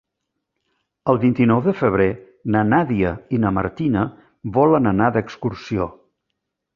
El vint-i-nou de febrer na Nàdia i na Martina volen anar d'excursió.